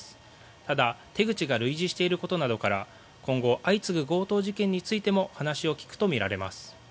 ただ、手口が類似していることなどから今後、相次ぐ強盗事件に関しても話を聞くとみられます。